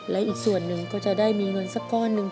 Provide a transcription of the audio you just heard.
และอีกส่วนหนึ่งก็จะได้มีเงินสักก้อนหนึ่ง